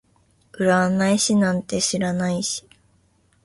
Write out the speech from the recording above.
占い師なんて知らないし